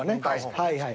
はいはい。